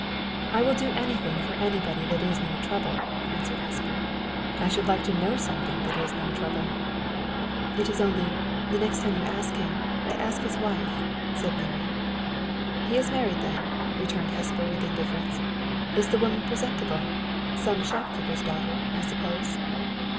"I will do anything for anybody that is no trouble," answered Hesper. "I should like to know something that is no trouble." "It is only, the next time you ask him, to ask his wife," said Mary. "He is married, then?" returned Hesper with indifference. "Is the woman presentable? Some shopkeeper's daughter, I suppose!"